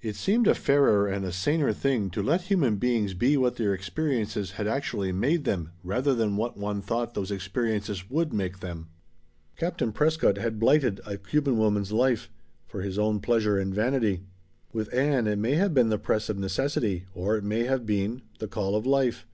It seemed a fairer and a saner thing to let human beings be what their experiences had actually made them rather than what one thought those experiences would make them. Captain Prescott had blighted a Cuban woman's life for his own pleasure and vanity. With Ann it may have been the press of necessity, or it may have been the call of life.